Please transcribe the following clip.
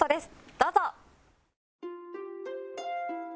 どうぞ。